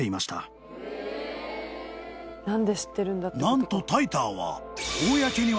［何とタイターは］